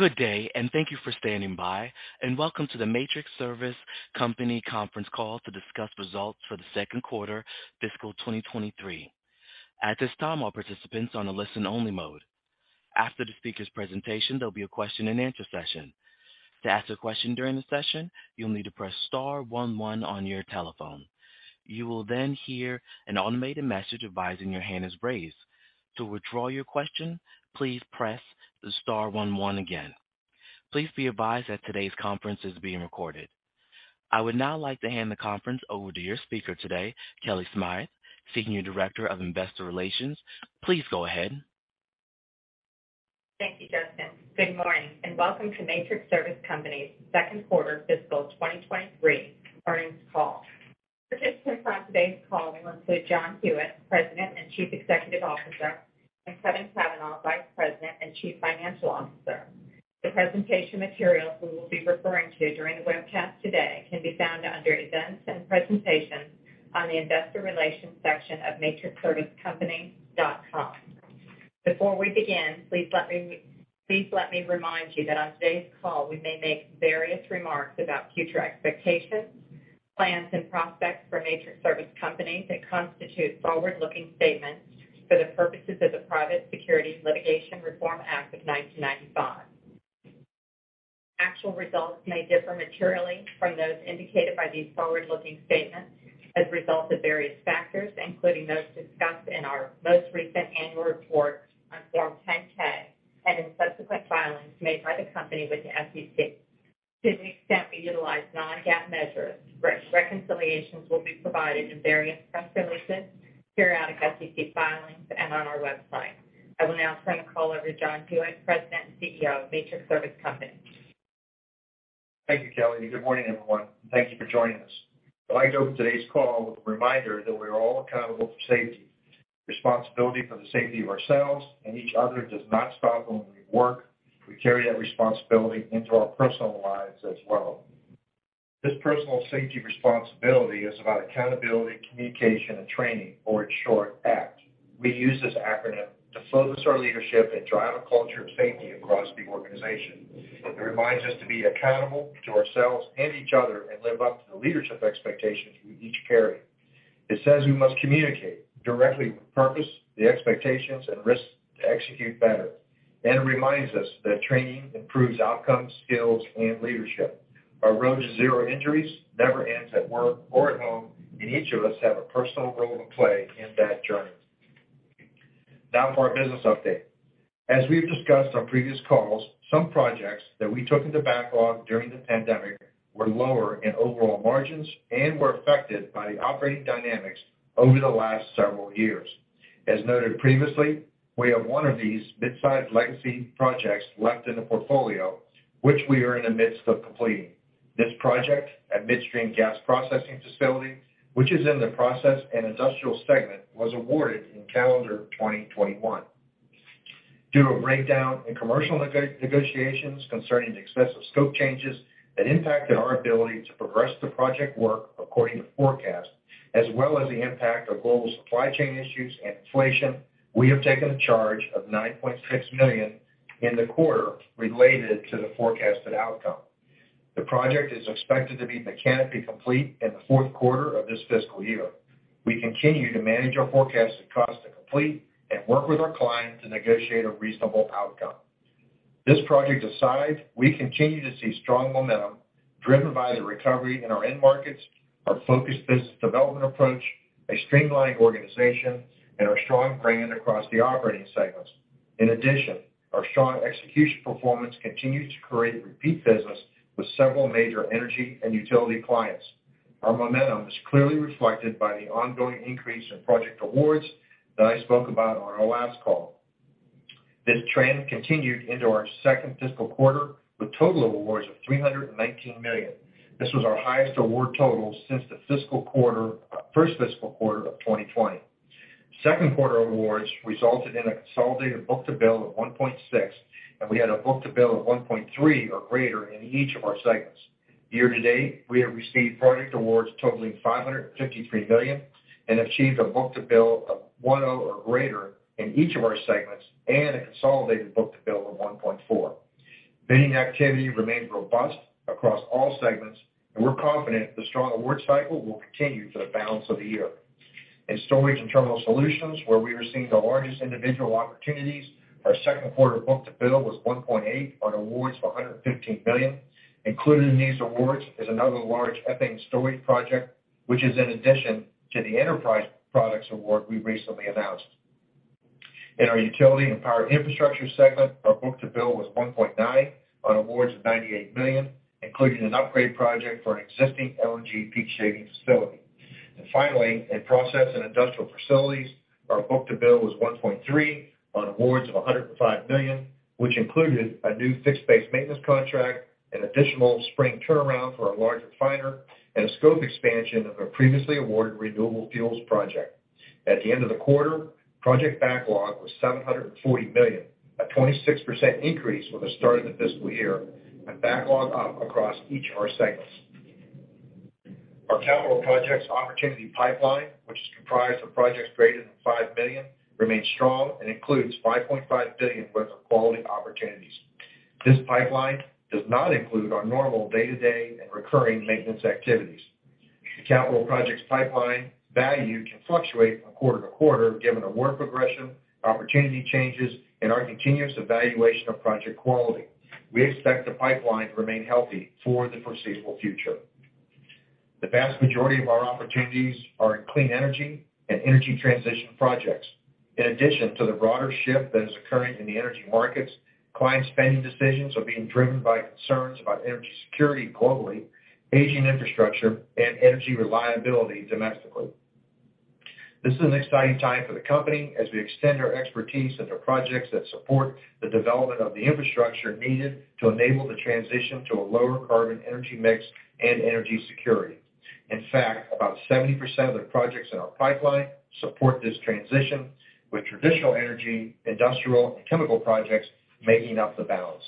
Good day, and thank you for standing by, and welcome to the Matrix Service Company conference call to discuss results for the second quarter fiscal 2023. At this time, all participants on a listen-only mode. After the speaker's presentation, there'll be a question-and-answer session. To ask a question during the session, you'll need to press star one one on your telephone. You will then hear an automated message advising your hand is raised. To withdraw your question, please press the star one one again. Please be advised that today's conference is being recorded. I would now like to hand the conference over to your speaker today, Kellie Smythe, Senior Director of Investor Relations. Please go ahead. Thank you, Justin. Good morning and welcome to Matrix Service Company's second quarter fiscal 2023 earnings call. Participants on today's call will include John Hewitt, President and Chief Executive Officer, and Kevin Cavanah, Vice President and Chief Financial Officer. The presentation materials we will be referring to during the webcast today can be found under Events and Presentations on the Investor Relations section of matrixservicecompany.com. Before we begin, please let me remind you that on today's call, we may make various remarks about future expectations, plans and prospects for Matrix Service Company that constitute forward-looking statements for the purposes of the Private Securities Litigation Reform Act of 1995. Actual results may differ materially from those indicated by these forward-looking statements as a result of various factors, including those discussed in our most recent annual report on Form 10-K and in subsequent filings made by the company with the SEC. To the extent we utilize non-GAAP measures, re-reconciliations will be provided in various press releases, periodic SEC filings, and on our website. I will now turn the call over to John Hewitt, President and CEO of Matrix Service Company. Thank you, Kellie. Good morning, everyone. Thank you for joining us. I'd like to open today's call with a reminder that we are all accountable for safety. Responsibility for the safety of ourselves and each other does not stop when we work. We carry that responsibility into our personal lives as well. This personal safety responsibility is about accountability, communication, and training, or in short, ACT. We use this acronym to focus our leadership and drive a culture of safety across the organization. It reminds us to be accountable to ourselves and each other and live up to the leadership expectations we each carry. It says we must communicate directly with purpose, the expectations, and risks to execute better. It reminds us that training improves outcomes, skills, and leadership. Our road to zero injuries never ends at work or at home. Each of us have a personal role to play in that journey. Now for our business update. As we've discussed on previous calls, some projects that we took into backlog during the pandemic were lower in overall margins and were affected by the operating dynamics over the last several years. As noted previously, we have one of these mid-sized legacy projects left in the portfolio, which we are in the midst of completing. This project at Midstream Gas Processing Facility, which is in the Process and Industrial segment, was awarded in calendar 2021. Due to a breakdown in commercial negotiations concerning the extensive scope changes that impacted our ability to progress the project work according to forecast, as well as the impact of global supply chain issues and inflation, we have taken a charge of $9.6 million in the quarter related to the forecasted outcome. The project is expected to be mechanically complete in the fourth quarter of this fiscal year. We continue to manage our forecasted cost to complete and work with our client to negotiate a reasonable outcome. This project aside, we continue to see strong momentum driven by the recovery in our end markets, our focused business development approach, a streamlined organization, and our strong brand across the operating segments. In addition, our strong execution performance continues to create repeat business with several major energy and utility clients. Our momentum is clearly reflected by the ongoing increase in project awards that I spoke about on our last call. This trend continued into our second fiscal quarter with total awards of $319 million. This was our highest award total since the first fiscal quarter of 2020. Second quarter awards resulted in a consolidated book-to-bill of 1.6, and we had a book-to-bill of 1.3 or greater in each of our segments. Year to date, we have received project awards totaling $553 million and achieved a book-to-bill of 1.0 or greater in each of our segments and a consolidated book-to-bill of 1.4. Bidding activity remains robust across all segments, and we're confident the strong award cycle will continue for the balance of the year. In Storage and Terminal Solutions, where we are seeing the largest individual opportunities, our second quarter book-to-bill was 1.8 on awards of $115 million. Included in these awards is another large ethane storage project, which is in addition to the Enterprise Products award we recently announced. In our Utility and Power Infrastructure segment, our book-to-bill was 1.9 on awards of $98 million, including an upgrade project for an existing LNG peak shaving facility. Finally, in Process and Industrial Facilities, our book-to-bill was 1.3 on awards of $105 million, which included a new fixed-based maintenance contract, an additional spring turnaround for a larger refiner, and a scope expansion of a previously awarded renewable fuels project. At the end of the quarter, project backlog was $740 million, a 26% increase from the start of the fiscal year and backlog up across each of our segments. Our capital projects opportunity pipeline, which is comprised of projects greater than $5 million, remains strong and includes $5.5 billion worth of quality opportunities. This pipeline does not include our normal day-to-day and recurring maintenance activities. The capital projects pipeline value can fluctuate from quarter to quarter given award progression, opportunity changes, and our continuous evaluation of project quality. We expect the pipeline to remain healthy for the foreseeable future. The vast majority of our opportunities are in clean energy and energy transition projects. In addition to the broader shift that is occurring in the energy markets, client spending decisions are being driven by concerns about energy security globally, aging infrastructure, and energy reliability domestically. This is an exciting time for the company as we extend our expertise into projects that support the development of the infrastructure needed to enable the transition to a lower carbon energy mix and energy security. In fact, about 70% of the projects in our pipeline support this transition, with traditional energy, industrial, and chemical projects making up the balance.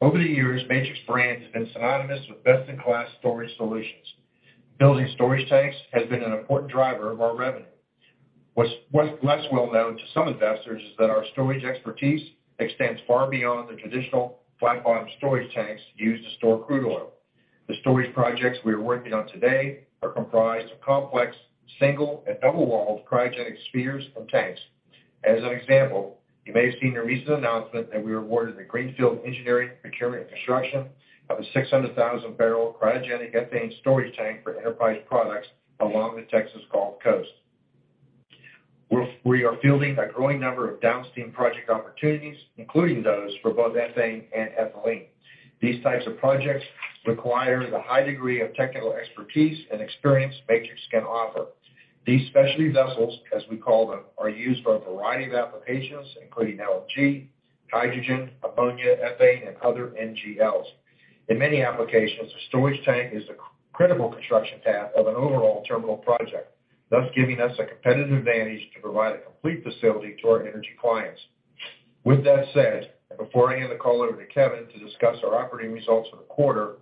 Over the years, Matrix Brand has been synonymous with best-in-class storage solutions. Building storage tanks has been an important driver of our revenue. What's less well known to some investors is that our storage expertise extends far beyond the traditional flat-bottom storage tanks used to store crude oil. The storage projects we are working on today are comprised of complex, single and double-walled cryogenic spheres and tanks. As an example, you may have seen our recent announcement that we were awarded the greenfield engineering, procurement, and construction of a 600,000-barrel cryogenic ethane storage tank for Enterprise Products along the Texas Gulf Coast. We are fielding a growing number of downstream project opportunities, including those for both ethane and ethylene. These types of projects require the high degree of technical expertise and experience Matrix can offer. These specialty vessels, as we call them, are used for a variety of applications, including LNG, hydrogen, ammonia, ethane, and other NGLs. In many applications, a storage tank is the critical construction path of an overall terminal project, thus giving us a competitive advantage to provide a complete facility to our energy clients. With that said, before I hand the call over to Kevin Cavanah to discuss our operating results for the quarter,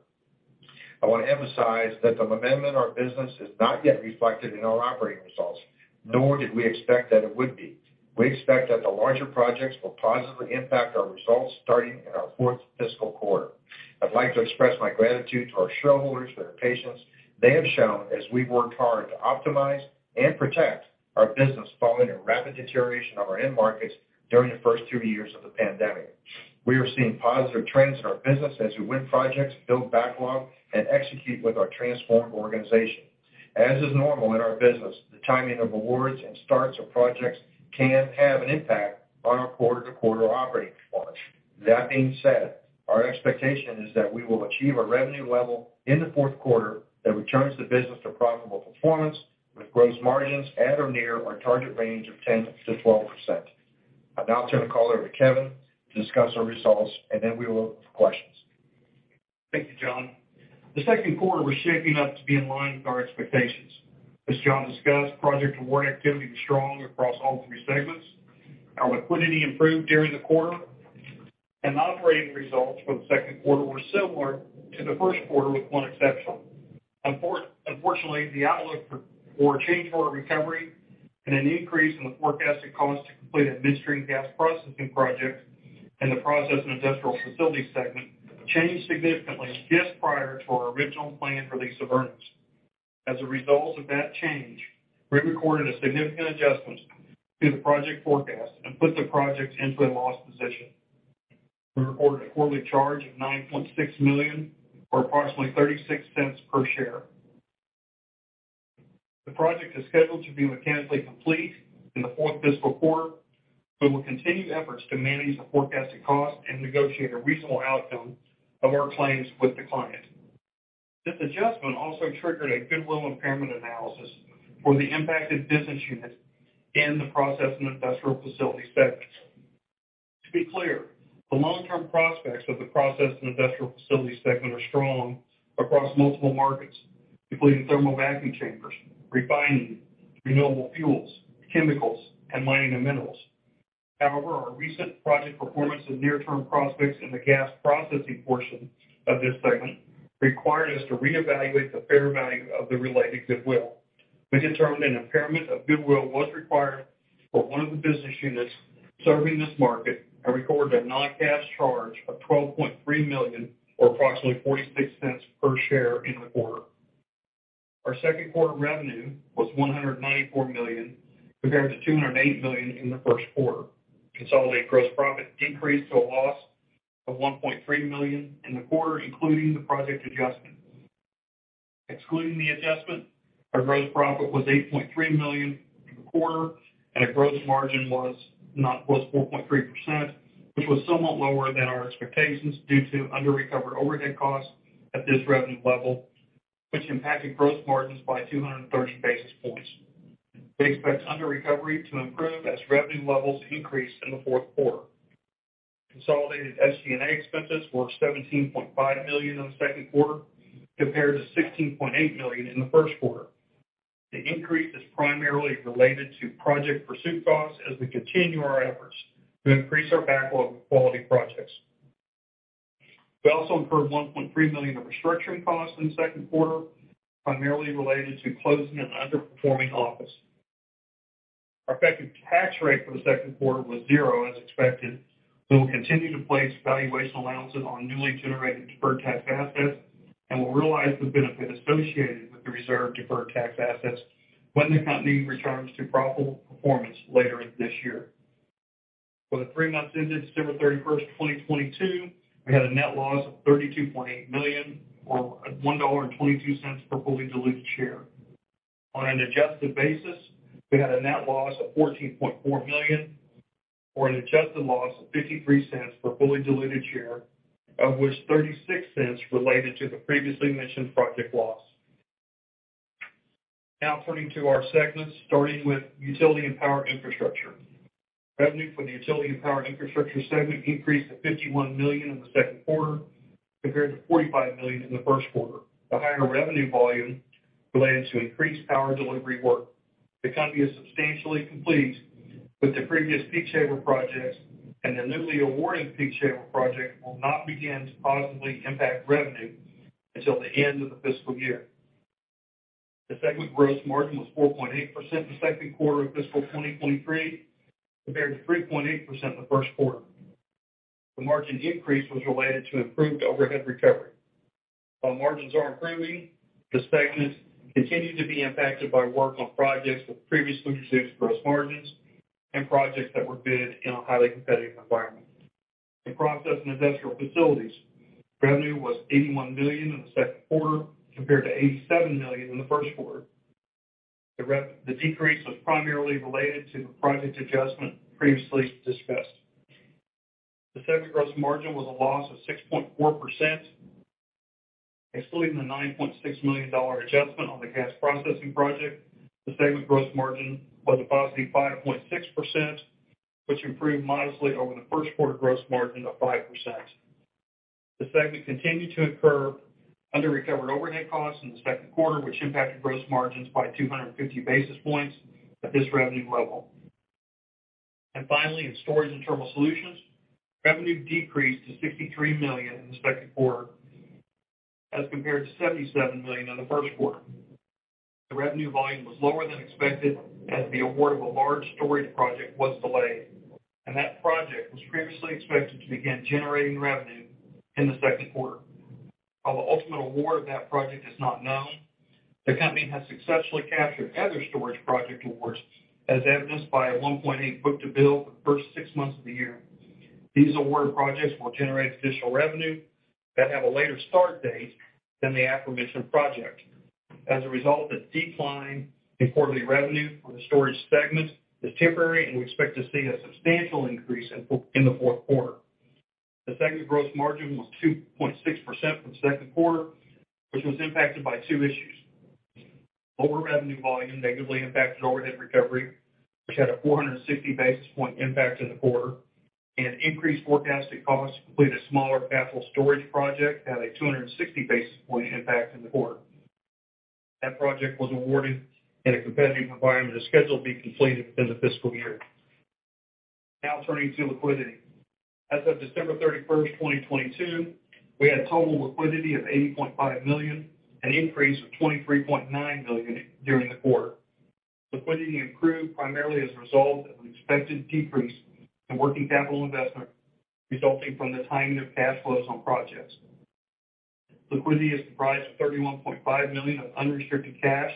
I wanna emphasize that the amendment our business is not yet reflected in our operating results, nor did we expect that it would be. We expect that the larger projects will positively impact our results starting in our fourth fiscal quarter. I'd like to express my gratitude to our shareholders for their patience they have shown as we worked hard to optimize and protect our business following a rapid deterioration of our end markets during the first two years of the pandemic. We are seeing positive trends in our business as we win projects, build backlog, and execute with our transformed organization. As is normal in our business, the timing of awards and starts of projects can have an impact on our quarter-to-quarter operating performance. That being said, our expectation is that we will achieve a revenue level in the fourth quarter that returns the business to profitable performance with gross margins at or near our target range of 10%-12%. I'll now turn the call over to Kevin to discuss our results, and then we will open for questions. Thank you, John. The second quarter was shaping up to be in line with our expectations. As John discussed, project award activity was strong across all three segments. Our liquidity improved during the quarter, and operating results for the second quarter were similar to the first quarter with one exception. Unfortunately, the outlook for a change order recovery and an increase in the forecasted cost to complete a midstream gas processing project in the Process and Industrial Facilities segment changed significantly just prior to our original plan release of earnings. As a result of that change, we recorded a significant adjustment to the project forecast and put the project into a loss position. We reported a quarterly charge of $9.6 million, or approximately $0.36 per share. The project is scheduled to be mechanically complete in the fourth fiscal quarter. We will continue efforts to manage the forecasted cost and negotiate a reasonable outcome of our claims with the client. This adjustment also triggered a goodwill impairment analysis for the impacted business unit in the Process and Industrial Facilities segment. To be clear, the long-term prospects of the Process and Industrial Facilities segment are strong across multiple markets, including thermal vacuum chambers, refining, renewable fuels, chemicals, and mining and minerals. However, our recent project performance and near-term prospects in the gas processing portion of this segment required us to reevaluate the fair value of the related goodwill. We determined an impairment of goodwill was required for one of the business units serving this market and recorded a non-cash charge of $12.3 million, or approximately $0.46 per share in the quarter. Our second quarter revenue was $194 million, compared to $208 million in the first quarter. Consolidated gross profit decreased to a loss of $1.3 million in the quarter, including the project adjustment. Excluding the adjustment, our gross profit was $8.3 million in the quarter, and our gross margin was 4.3%, which was somewhat lower than our expectations due to underrecovered overhead costs at this revenue level, which impacted gross margins by 230 basis points. We expect underrecovery to improve as revenue levels increase in the fourth quarter. Consolidated SG&A expenses were $17.5 million in the second quarter, compared to $16.8 million in the first quarter. The increase is primarily related to project pursuit costs as we continue our efforts to increase our backlog of quality projects. We also incurred $1.3 million of restructuring costs in the second quarter, primarily related to closing an underperforming office. Our effective tax rate for the second quarter was zero as expected. We will continue to place valuation allowances on newly generated deferred tax assets, and we'll realize the benefit associated with the reserved deferred tax assets when the company returns to profitable performance later this year. For the three months ended December 31st, 2022, we had a net loss of $32.8 million, or $1.22 per fully diluted share. On an adjusted basis, we had a net loss of $14.4 million or an adjusted loss of $0.53 per fully diluted share, of which $0.36 related to the previously mentioned project loss. Turning to our segments, starting with Utility and Power Infrastructure. Revenue for the Utility and Power Infrastructure segment increased to $51 million in the second quarter compared to $45 million in the first quarter. The higher revenue volume relates to increased power delivery work. The company is substantially complete with the previous peak shaver projects, and the newly awarded peak shaver project will not begin to positively impact revenue until the end of the fiscal year. The segment gross margin was 4.8% the second quarter of fiscal 2023, compared to 3.8% in the first quarter. The margin increase was related to improved overhead recovery. While margins are improving, the segment continued to be impacted by work on projects with previously reduced gross margins and projects that were bid in a highly competitive environment. In Process and Industrial Facilities, revenue was $81 million in the second quarter compared to $87 million in the first quarter. The decrease was primarily related to the project adjustment previously discussed. The second gross margin was a loss of 6.4%. Excluding the $9.6 million adjustment on the gas processing project, the segment gross margin was a positive 5.6%, which improved modestly over the first quarter gross margin of 5%. The segment continued to incur under-recovered overhead costs in the second quarter, which impacted gross margins by 250 basis points at this revenue level. Finally, in Storage and Terminal Solutions, revenue decreased to $63 million in the second quarter as compared to $77 million in the first quarter. The revenue volume was lower than expected as the award of a large storage project was delayed, and that project was previously expected to begin generating revenue in the second quarter. While the ultimate award of that project is not known, the company has successfully captured other storage project awards, as evidenced by a 1.8 book-to-bill for the first six months of the year. These award projects will generate additional revenue that have a later start date than the aforementioned project. As a result, the decline in quarterly revenue from the storage segment is temporary, and we expect to see a substantial increase in the fourth quarter. The segment gross margin was 2.6% for the second quarter, which was impacted by two issues. Lower revenue volume negatively impacted overhead recovery, which had a 460 basis point impact in the quarter, and increased forecasted costs to complete a smaller capital storage project had a 260 basis point impact in the quarter. That project was awarded in a competitive environment and is scheduled to be completed within the fiscal year. Now turning to liquidity. As of December 31st, 2022, we had total liquidity of $80.5 million, an increase of $23.9 million during the quarter. Liquidity improved primarily as a result of an expected decrease in working capital investment resulting from the timing of cash flows on projects. Liquidity is comprised of $31.5 million of unrestricted cash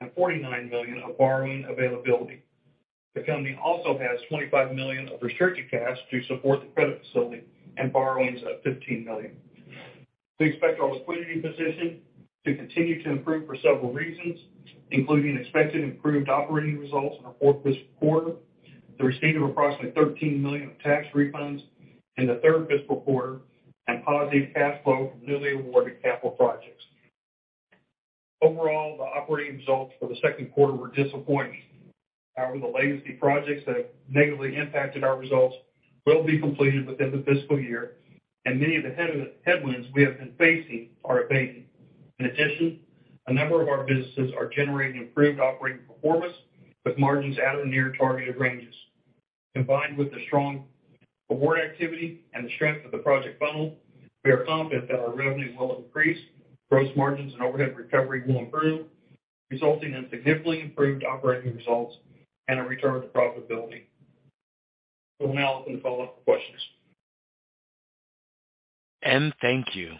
and $49 million of borrowing availability. The company also has $25 million of restricted cash to support the credit facility and borrowings of $15 million. We expect our liquidity position to continue to improve for several reasons, including expected improved operating results in the fourth fiscal quarter, the receipt of approximately $13 million of tax refunds in the third fiscal quarter, and positive cash flow from newly awarded capital projects. Overall, the operating results for the second quarter were disappointing. However, the legacy projects that have negatively impacted our results will be completed within the fiscal year, and many of the headwinds we have been facing are abating. In addition, a number of our businesses are generating improved operating performance with margins at or near targeted ranges. Combined with the strong award activity and the strength of the project funnel, we are confident that our revenue will increase, gross margins and overhead recovery will improve, resulting in significantly improved operating results and a return to profitability. We'll now open the call up for questions. Thank you.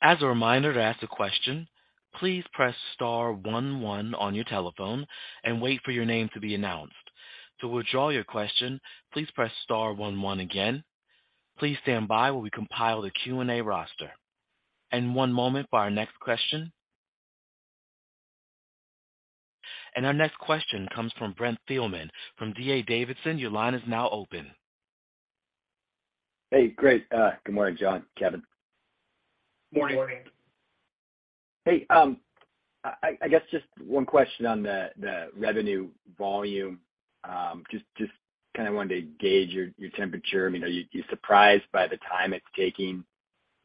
As a reminder, to ask a question, please press star one one on your telephone and wait for your name to be announced. To withdraw your question, please press star one one again. Please stand by while we compile the Q&A roster. One moment for our next question. Our next question comes from Brent Thielman from D.A. Davidson. Your line is now open. Hey, great. Good morning, John, Kevin. Morning. I guess just one question on the revenue volume. Just kind of wanted to gauge your temperature. I mean, are you surprised by the time it's taking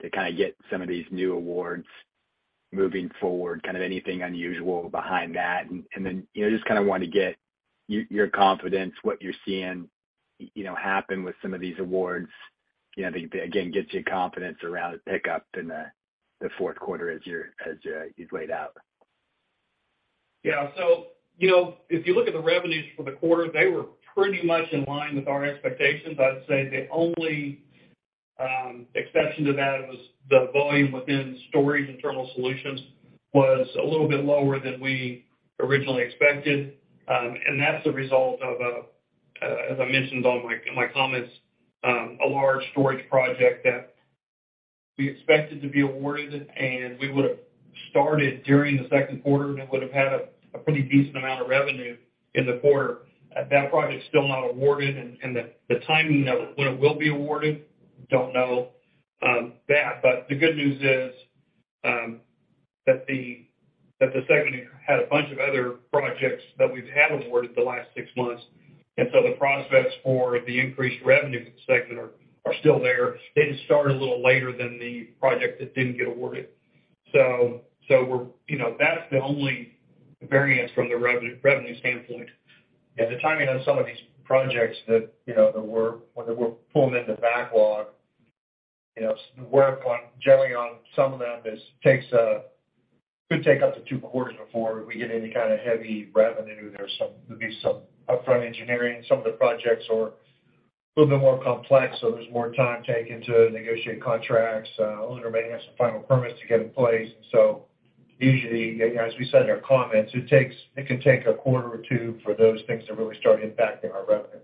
to kind of get some of these new awards moving forward? Kind of anything unusual behind that? Then, you know, just kind of want to get your confidence, what you're seeing, you know, happen with some of these awards. You know, they again, get you confidence around a pickup in the fourth quarter as you're, as you've laid out. Yeah. you know, if you look at the revenues for the quarter, they were pretty much in line with our expectations. I'd say the only exception to that was the volume within Storage and Terminal Solutions was a little bit lower than we originally expected. And that's the result of as I mentioned on my comments, a large storage project that we expected to be awarded, and we would've started during the second quarter, and it would have had a pretty decent amount of revenue in the quarter. That project is still not awarded and the timing of when it will be awarded, don't know that. The good news is that the segment had a bunch of other projects that we've had awarded the last six months, the prospects for the increased revenue segment are still there. They just start a little later than the project that didn't get awarded. We're. You know, that's the only variance from the revenue standpoint. The timing on some of these projects that, you know, when we're pulling in the backlog, you know, the work generally on some of them could take up to two quarters before we get any kind of heavy revenue. There'll be some upfront engineering. Some of the projects are a little bit more complex, so there's more time taken to negotiate contracts. Owner may have some final permits to get in place. Usually, you know, as we said in our comments, it can take a quarter or two for those things to really start impacting our revenue.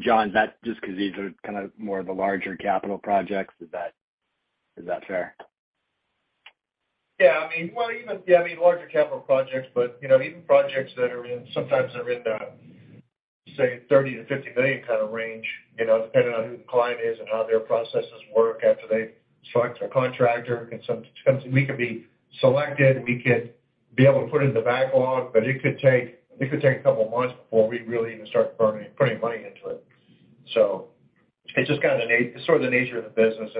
John, that just 'cause these are kind of more of the larger capital projects. Is that fair? I mean, well, even. I mean, larger capital projects, but you know, even projects that are sometimes in the, say, $30 million-$50 million kind of range, you know, depending on who the client is and how their processes work after they select a contractor. In some terms, we could be selected, we could be able to put it in the backlog, but it could take a couple months before we really even start putting money into it. It's just kind of the sort of the nature of the business.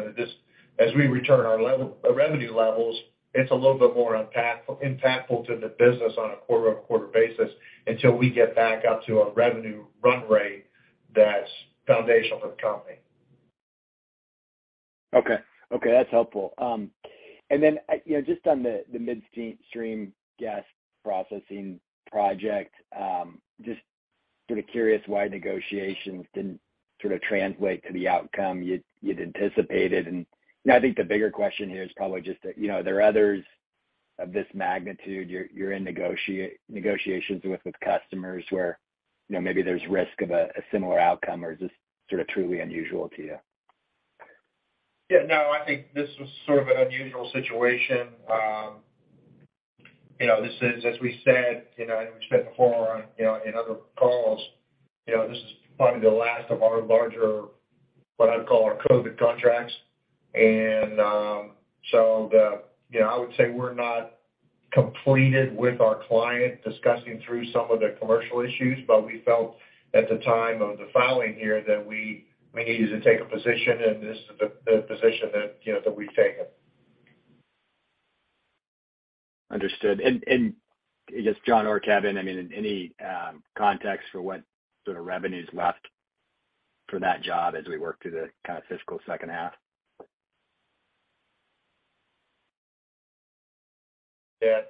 As we return our revenue levels, it's a little bit more impactful to the business on a quarter-over-quarter basis until we get back up to a revenue run rate that's foundational for the company. Okay. Okay, that's helpful. You know, just on the midstream gas processing project, just kind of curious why negotiations didn't sort of translate to the outcome you'd anticipated. You know, I think the bigger question here is probably just that, you know, there are others of this magnitude you're in negotiations with customers where, you know, maybe there's risk of a similar outcome, or is this sort of truly unusual to you? Yeah, no, I think this was sort of an unusual situation. you know, this is, as we said, you know, and we've said before, you know, in other calls, you know, this is probably the last of our larger, what I'd call our COVID contracts. So the... You know, I would say we're not completed with our client discussing through some of the commercial issues, but we felt at the time of the filing here that we needed to take a position, and this is the position that, you know, that we've taken. Understood. I guess John or Kevin, I mean, in any context for what sort of revenue's left for that job as we work through the kind of fiscal second half? Yeah.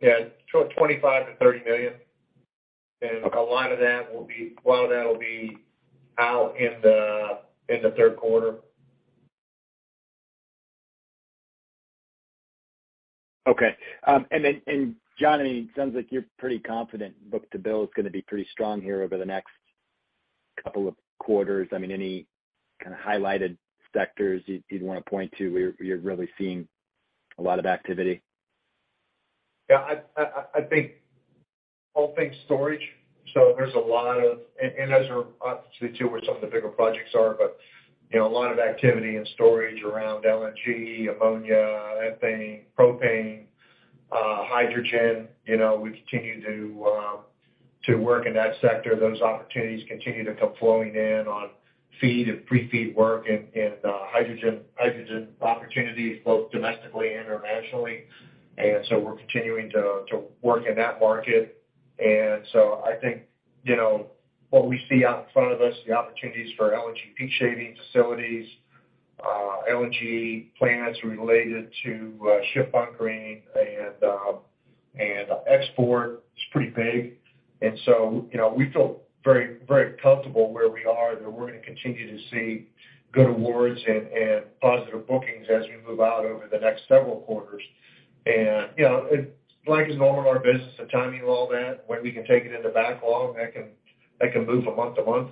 Yeah. $25 million-$30 million. A lot of that will be out in the third quarter. Okay. And John, I mean, it sounds like you're pretty confident book-to-bill is gonna be pretty strong here over the next couple of quarters. I mean, any kind of highlighted sectors you'd wanna point to where you're really seeing a lot of activity? Yeah. I think whole thing's storage, so there's a lot of... Those are obviously, too, where some of the bigger projects are, but, you know, a lot of activity in storage around LNG, ammonia, ethane, propane, hydrogen. You know, we continue to work in that sector. Those opportunities continue to come flowing in on FEED and pre-FEED work and hydrogen opportunities, both domestically and internationally. We're continuing to work in that market. I think, you know, what we see out in front of us, the opportunities for LNG peak shaving facilities, LNG plants related to ship or green and export is pretty big. You know, we feel very, very comfortable where we are, that we're gonna continue to see good awards and positive bookings as we move out over the next several quarters. You know, like in all of our business, the timing of all that, when we can take it into backlog, that can move from month to month.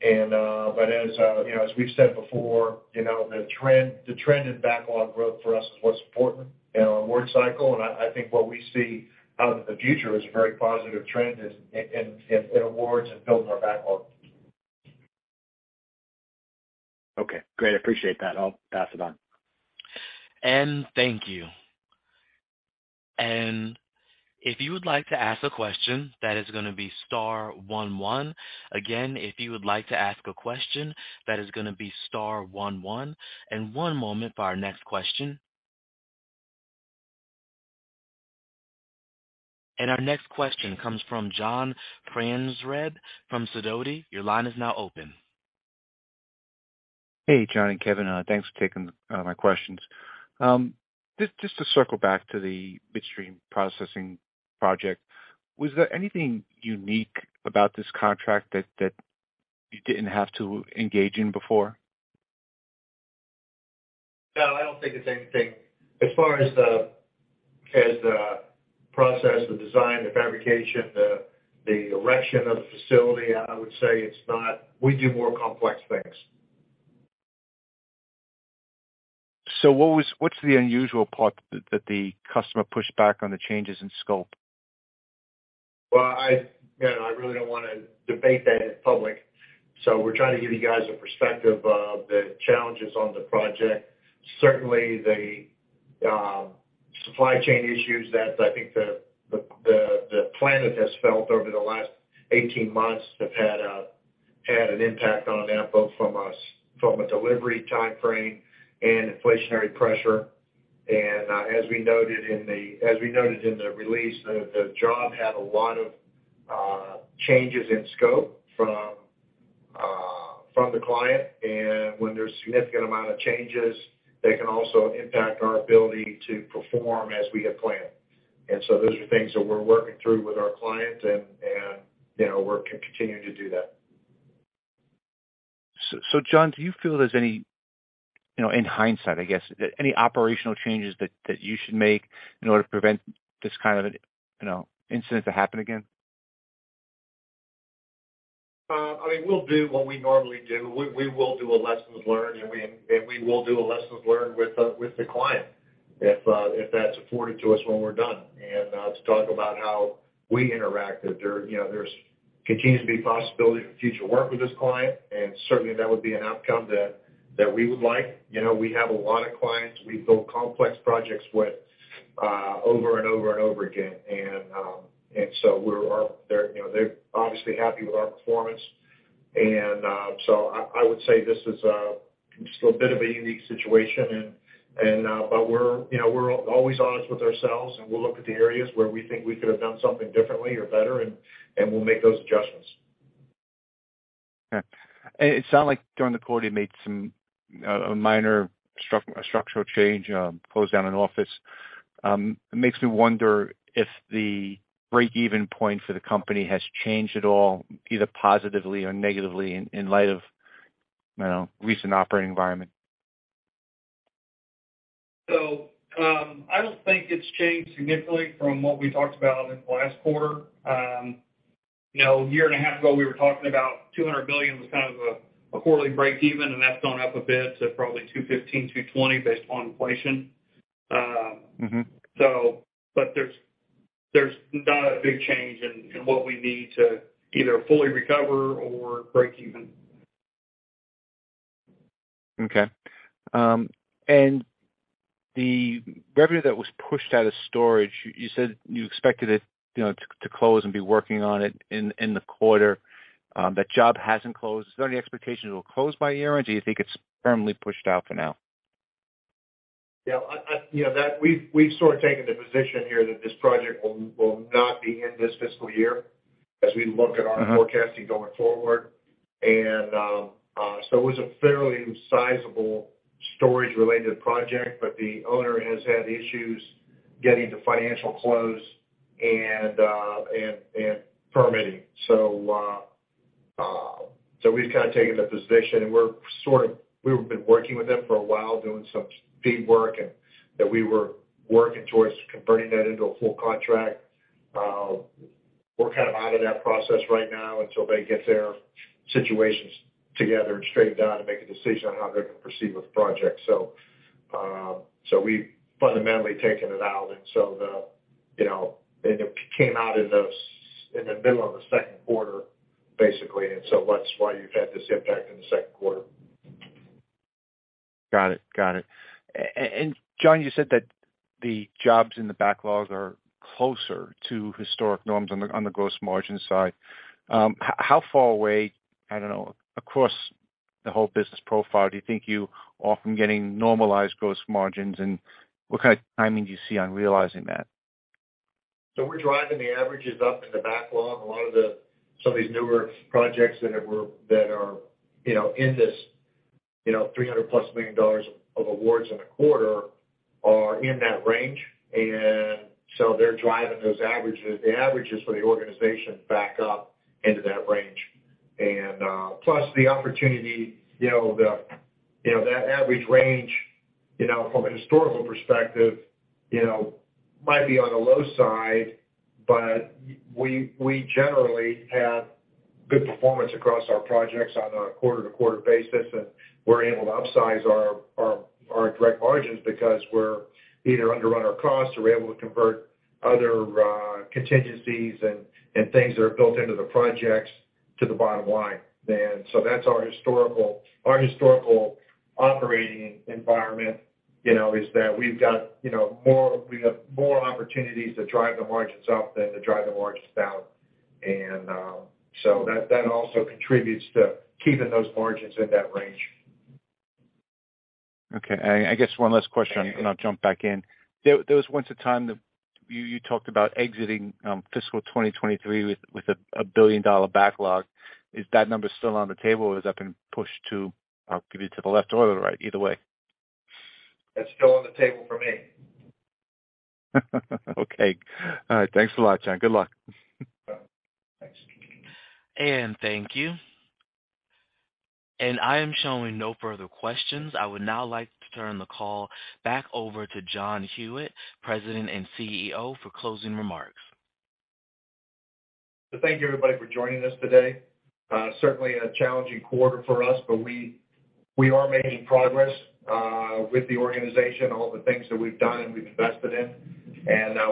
But as, you know, as we've said before, you know, the trend in backlog growth for us is what's important in our award cycle. I think what we see out in the future is a very positive trend in awards and building our backlog. Okay, great. I appreciate that. I'll pass it on. Thank you. If you would like to ask a question, that is gonna be star one one. Again, if you would like to ask a question, that is gonna be star one one. One moment for our next question. Our next question comes from John Franzreb from Sidoti. Your line is now open. Hey, John and Kevin. Thanks for taking my questions. Just to circle back to the midstream processing project, was there anything unique about this contract that you didn't have to engage in before? No, I don't think it's anything as far as the process, the design, the fabrication, the erection of the facility, I would say it's not. We do more complex things. What's the unusual part that the customer pushed back on the changes in scope? Well, I, you know, I really don't wanna debate that in public, so we're trying to give you guys a perspective of the challenges on the project. Certainly, the supply chain issues that I think the planet has felt over the last 18 months have had an impact on that, both from us, from a delivery timeframe and inflationary pressure. As we noted in the release, the job had a lot of changes in scope from the client. When there's significant amount of changes, they can also impact our ability to perform as we had planned. Those are things that we're working through with our client and, you know, we're continuing to do that. John, do you feel there's any, you know, in hindsight I guess, any operational changes that you should make in order to prevent this kind of, you know, incident to happen again? I mean, we'll do what we normally do. We will do a lessons learned and we will do a lessons learned with the client if that's afforded to us when we're done. To talk about how we interacted. There, you know, there's continues to be possibility for future work with this client, and certainly that would be an outcome that we would like. You know, we have a lot of clients we build complex projects with over and over and over again. So they're, you know, they're obviously happy with our performance. I would say this is just a bit of a unique situation and, but we're, you know, we're always honest with ourselves, and we'll look at the areas where we think we could have done something differently or better and we'll make those adjustments. Yeah. It sounded like during the quarter you made some, a minor structural change, closed down an office. It makes me wonder if the break-even point for the company has changed at all, either positively or negatively in light of, you know, recent operating environment. I don't think it's changed significantly from what we talked about in the last quarter. you know, a year and a half ago, we were talking about $200 billion was kind of a quarterly breakeven, and that's gone up a bit to probably $215 billion-$220 billion based on inflation. Mm-hmm. There's not a big change in what we need to either fully recover or breakeven. Okay. The revenue that was pushed out of storage, you said you expected it, you know, to close and be working on it in the quarter. That job hasn't closed. Is there any expectation it will close by year-end or do you think it's firmly pushed out for now? Yeah, I, you know that we've sort of taken the position here that this project will not be in this fiscal year as we look at our. Mm-hmm. forecasting going forward. So it was a fairly sizable storage related project, but the owner has had issues getting to financial close and permitting. So we've kinda taken the position we've been working with them for a while, doing some FEED work and that we were working towards converting that into a full contract. We're kind of out of that process right now until they get their situations together and straightened out and make a decision on how they're gonna proceed with the project. So we've fundamentally taken it out. The, you know, and it came out in the middle of the second quarter, basically, and so that's why you've had this impact in the second quarter. Got it. Got it. John, you said that the jobs in the backlog are closer to historic norms on the gross margin side. How far away, I don't know, across the whole business profile, do you think you are from getting normalized gross margins, and what kind of timing do you see on realizing that? We're driving the averages up in the backlog. A lot of some of these newer projects that are, you know, in this, you know, $300 plus million of awards in a quarter are in that range. They're driving those averages, the averages for the organization back up into that range. Plus the opportunity, you know, the, you know, that average range, you know, from a historical perspective, you know, might be on the low side, but we generally have good performance across our projects on a quarter to quarter basis, and we're able to upsize our direct margins because we're either underrun our costs or we're able to convert other contingencies and things that are built into the projects to the bottom line. That's our historical operating environment, you know, is that we've got, you know, more, we have more opportunities to drive the margins up than to drive the margins down. So that also contributes to keeping those margins in that range. Okay. I guess one last question and I'll jump back in. There was once a time that you talked about exiting fiscal 2023 with a billion-dollar backlog. Is that number still on the table or has that been pushed to, I'll give you to the left or the right, either way? It's still on the table for me. Okay. All right. Thanks a lot, John. Good luck. Thanks. Thank you. I am showing no further questions. I would now like to turn the call back over to John Hewitt, President and CEO, for closing remarks. Thank you, everybody, for joining us today. Certainly a challenging quarter for us, but we are making progress with the organization, all the things that we've done and we've invested in.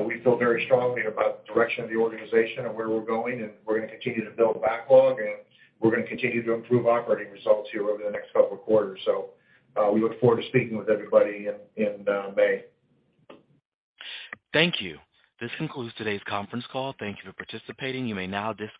We feel very strongly about the direction of the organization and where we're going, and we're gonna continue to build backlog, and we're gonna continue to improve operating results here over the next couple of quarters. We look forward to speaking with everybody in May. Thank you. This concludes today's conference call. Thank you for participating. You may now disconnect.